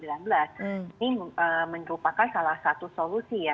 ini merupakan salah satu solusi ya